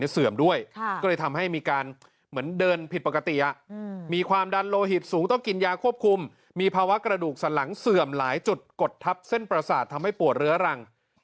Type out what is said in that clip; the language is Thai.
เสื่อมหลายจุดกฎทัพเส้นปราศาสตร์ทำให้ปวดเรื้อรัง